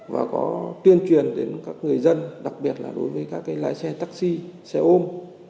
và có tuyên truyền đến các người dân đặc biệt là đối với các lái xe taxi xe ôm